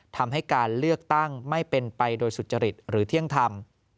ทำให้การเลือกตั้งไม่เป็นไปโดยสุจริตหรือเที่ยงธรรม